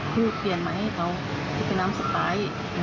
พูดเปลี่ยนใหม่ให้เขาที่เป็นน้ำสไป